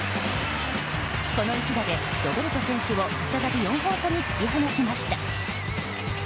この一打でロベルト選手を再び４本差に突き放しました。